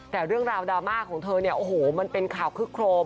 แต่เรื่องราวดราม่าของเธอเนี่ยโอ้โหมันเป็นข่าวคึกโครม